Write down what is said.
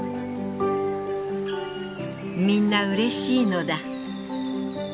「みんな嬉しいのだ」。